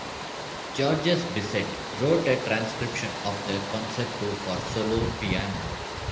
Georges Bizet wrote a transcription of the concerto for solo piano.